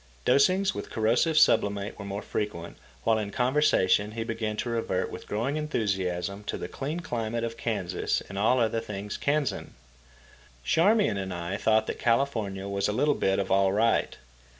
Dosings with corrosive sublimate were more frequent, while, in conversation, he began to revert with growing enthusiasm to the clean climate of Kansas and all other things Kansan. Charmian and I thought that California was a little bit of all right.